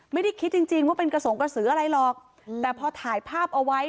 ไม่ได้คิดจริงจริงว่าเป็นกระสงกระสืออะไรหรอกแต่พอถ่ายภาพเอาไว้